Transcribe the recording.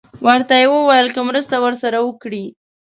ورته یې وویل که مرسته ورسره وکړي.